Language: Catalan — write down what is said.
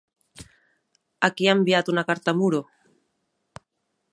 A qui ha enviat una carta Muro?